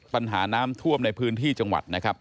ปัญหาน้ำท่วมในพื้นที่จังหวัดนะครับ